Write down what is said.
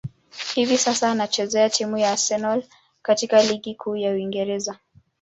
Hivi sasa, anachezea timu ya Arsenal katika ligi kuu ya Uingereza.